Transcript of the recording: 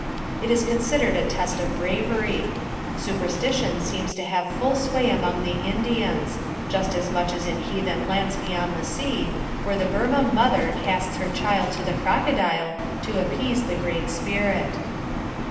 It is considered a test of bravery. Superstition seems to have full sway among the Indians just as much as in heathen lands beyond the sea, where the Burmah mother casts her child to the crocodile to appease the Great Spirit.